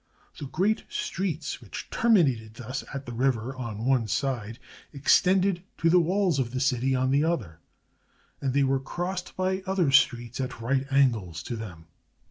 The great streets, which terminated thus at the river on one side, extended to the walls of the city on the other, and they were crossed by other streets at right angles to them.